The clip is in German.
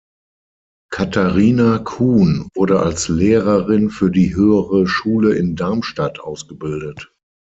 Katharina Kuhn wurde als Lehrerin für die höhere Schule in Darmstadt ausgebildet.